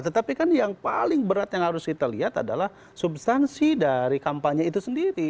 tetapi kan yang paling berat yang harus kita lihat adalah substansi dari kampanye itu sendiri